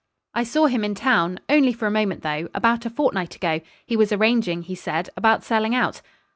'I saw him in town only for a moment though about a fortnight ago; he was arranging, he said, about selling out.'